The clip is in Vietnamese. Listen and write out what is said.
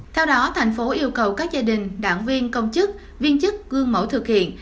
theo đó thành phố yêu cầu các gia đình đảng viên công chức viên chức gương mẫu thực hiện